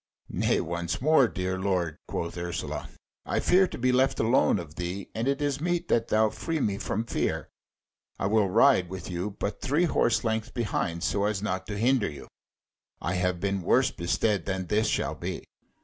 "Nay once more, dear lord," quoth Ursula, "I fear to be left alone of thee, and it is meet that thou free me from fear. I will ride with you, but three horse lengths behind, so as not to hinder you. I have been worse bestead than this shall be."